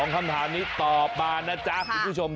คำถามนี้ตอบมานะจ๊ะคุณผู้ชม